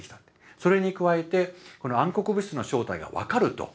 それに加えてこの暗黒物質の正体が分かると。